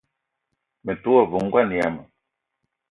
Me te wa ve ngoan yama.